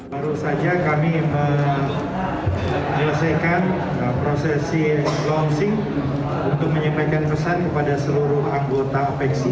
baru saja kami menyelesaikan prosesi launching untuk menyampaikan pesan kepada seluruh anggota opexi